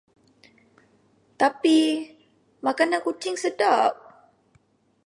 Tapi, makanan kucing sedap.